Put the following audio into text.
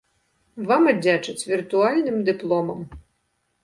Вам аддзячаць віртуальным дыпломам.